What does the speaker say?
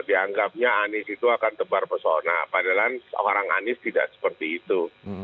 dianggapnya anies itu akan tebar persona padahal orang anies tidak seperti itu